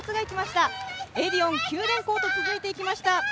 エディオン、九電工と続いていきました。